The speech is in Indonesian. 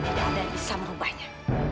tidak ada yang bisa merubahnya